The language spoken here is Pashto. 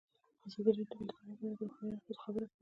ازادي راډیو د بیکاري په اړه د روغتیایي اغېزو خبره کړې.